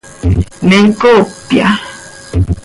¿Me coopya?